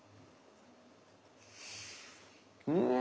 うん。